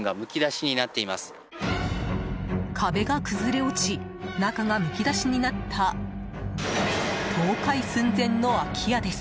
壁が崩れ落ち中がむき出しになった倒壊寸前の空き家です。